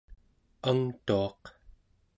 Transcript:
angtuaq